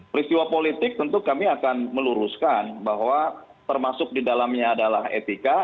peristiwa politik tentu kami akan meluruskan bahwa termasuk di dalamnya adalah etika